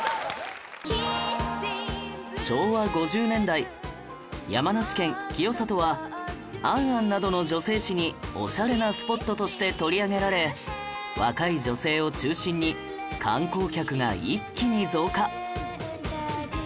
昭和５０年代山梨県清里は『ａｎａｎ』などの女性誌にオシャレなスポットとして取り上げられ若い女性を中心に観光客が一気に増加